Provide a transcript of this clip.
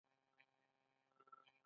باید هڅه وکړو تل په ادب سره خبرې وکړو.